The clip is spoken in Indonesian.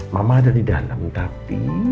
mama ada di dalam tapi